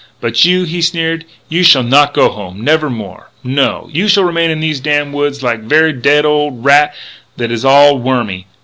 But you," he sneered, "you shall not go home never no more. No. You shall remain in thees damn wood like ver' dead old rat that is all wormy....